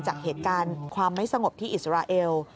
จากเหตุการณ์ความไม่สงบที่อิสราเอล